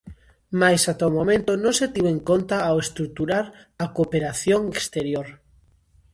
Mais ata o momento non se tivo en conta ao estruturar a cooperación exterior.